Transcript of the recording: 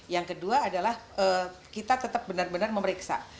yang kedua adalah kita tetap benar benar memeriksa